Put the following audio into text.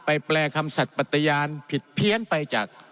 แปลคำสัตว์ปัตยานผิดเพี้ยนไปจาก